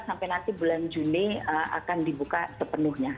sampai nanti bulan juni akan dibuka sepenuhnya